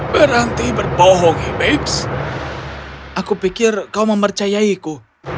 berhenti berbohong hibis aku pikir kau mempercayai ku